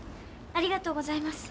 ありがとうございます。